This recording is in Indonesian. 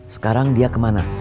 sekarang dia kemana